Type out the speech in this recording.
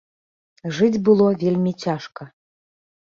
Жыць было вельмі цяжка.